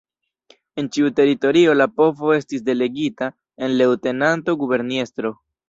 En ĉiu teritorio la povo estis delegita en Leŭtenanto-Guberniestro.